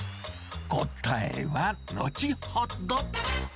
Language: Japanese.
答えは後ほど。